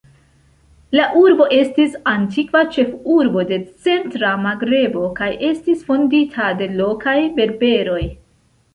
La urbo estis antikva ĉefurbo de centra Magrebo, kaj estis fondita de lokaj Berberoj.